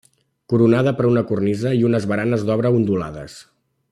Coronada per una cornisa i unes baranes d'obra ondulades.